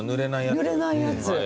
ぬれないやつ。